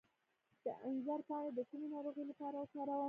د انځر پاڼې د کومې ناروغۍ لپاره وکاروم؟